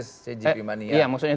saya eko kuntadi